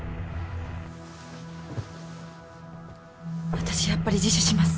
私やっぱり自首します。